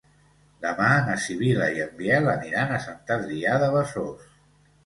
Demà na Sibil·la i en Biel aniran a Sant Adrià de Besòs.